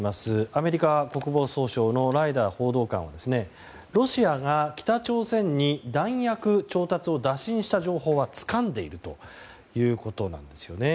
アメリカ国防総省のライダー報道官はロシアが北朝鮮に、弾薬調達を打診した情報はつかんでいるということなんですね。